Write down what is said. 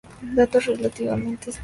Dedos relativamente estrechos.